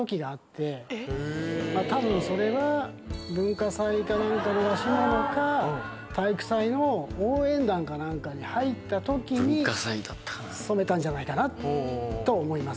多分それは文化祭か何かの出し物か体育祭の応援団か何かに入った時に染めたんじゃないかなと思います。